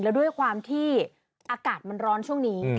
แล้วด้วยความที่อากาศมันร้อนช่วงนี้